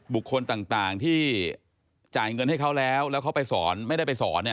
บุคคลต่างที่จ่ายเงินให้เขาแล้วแล้วเขาไปสอนไม่ได้ไปสอนเนี่ย